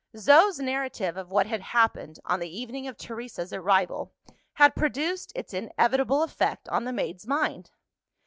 Zo's narrative of what had happened, on the evening of Teresa's arrival, had produced its inevitable effect on the maid's mind.